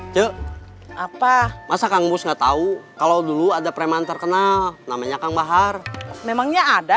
cek apa masa kang bus nggak tahu kalau dulu ada preman terkenal namanya kang bahar memangnya ada